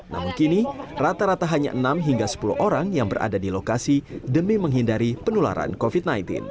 namun kini rata rata hanya enam hingga sepuluh orang yang berada di lokasi demi menghindari penularan covid sembilan belas